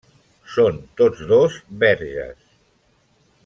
Són tots dos verges.